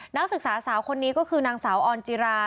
นักศึกษาสาวคนนี้ก็คือนางสาวออนจิรา